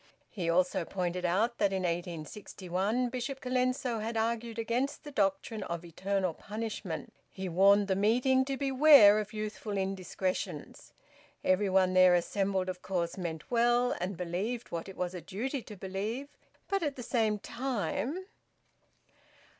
He also pointed out that in 1861 Bishop Colenso had argued against the doctrine of Eternal Punishment. He warned the meeting to beware of youthful indiscretions. Every one there assembled of course meant well, and believed what it was a duty to believe, but at the same time...